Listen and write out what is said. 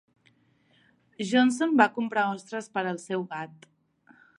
Johnson va comprar ostres per al seu gat.